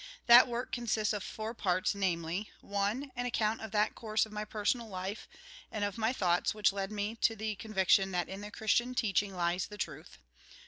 That work consists of four parts, namely :— 1. An account of that course of my personal life, and of my thoughts, which led me to the con viction that in the Christian teaching lies the truth.